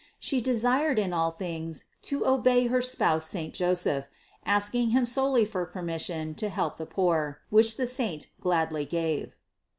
She desired in all things to obey her spouse saint Joseph, asking him solely for permission to help the poor, which the saint gladly gave.